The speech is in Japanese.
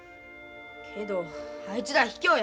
けどあいつらひきょうや。